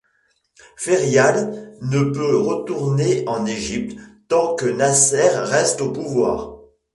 Ferial ne peut retourner en Égypte tant que Nasser reste au pouvoir.